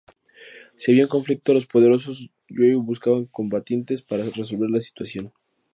Si había un conflicto, los poderosos goði buscaban combatientes para resolver la situación.